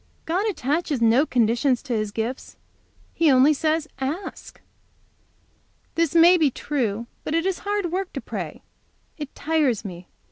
God attaches no conditions to His gifts. He only says, 'Ask!'" "This may be true, but it is hard work to pray. It tires me.